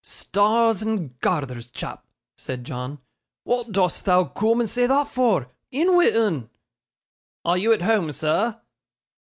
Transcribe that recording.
'Stars and garthers, chap!' said John, 'wa'at dost thou coom and say thot for? In wi' 'un.' 'Are you at home, sir?